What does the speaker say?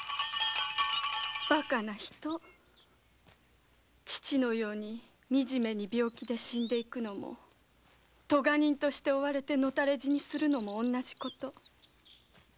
バカな人父のように惨めに病気で死んでいくのもとが人として野たれ死にするのも同じこと。